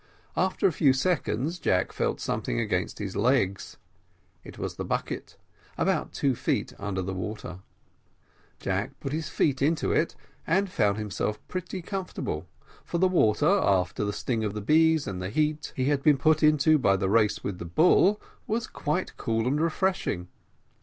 After a few seconds Jack felt something against his legs, it was the bucket, about two feet under the water; Jack put his feet into it and found himself pretty comfortable, for the water, after the sting of the bees and the heat he had been put into by the race with the bull, was quite cool and refreshing.